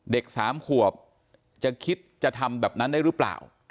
เด็ก๓ขวบจะคิดจะทำแบบนั้นได้หรือเปล่า